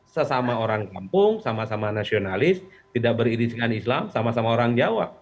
sesama orang kampung sama sama nasionalis tidak beririsan islam sama sama orang jawa